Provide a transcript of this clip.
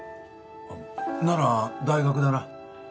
あっなら大学だな。